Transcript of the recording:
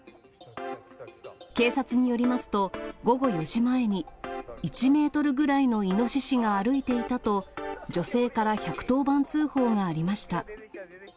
警察によりますと、午後４時前に、１メートルぐらいのイノシシが歩いていたと、女性から１１０番通報がありました。